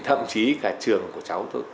thậm chí cả trường của cháu tôi